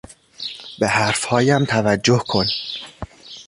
به حرفهایم توجه کن!